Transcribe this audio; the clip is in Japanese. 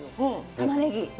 たまねぎ。